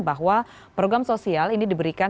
bahwa program sosial ini diberikan